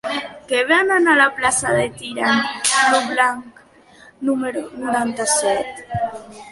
Què venen a la plaça de Tirant lo Blanc número noranta-set?